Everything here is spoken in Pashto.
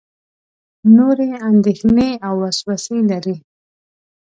نورې اندېښنې او وسوسې لري.